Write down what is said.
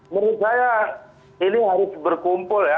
menurut saya ini harus berkumpul ya